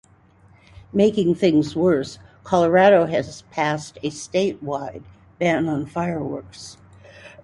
Making things worse, Colorado has passed a statewide ban on fireworks.